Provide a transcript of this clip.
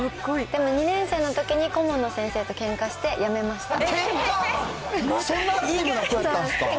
でも２年生のときに顧問の先生とけんかして辞めました。